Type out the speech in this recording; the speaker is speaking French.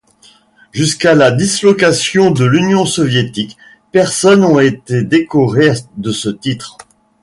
Jusqu'à la dislocation de l'Union soviétique, personnes ont été décorées de ce titre.